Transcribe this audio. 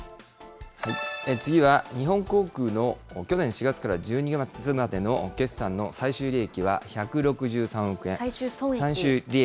次は日本航空の去年４月から１２月までの決算の最終利益は１最終損益。